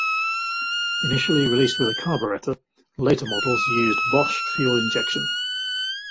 Initially released with a carburetor, later models used Bosch fuel injection.